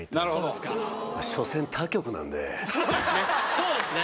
そうですね